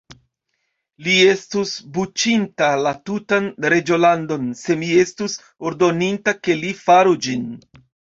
Li estus buĉinta la tutan reĝolandon, se mi estus ordoninta, ke li faru ĝin.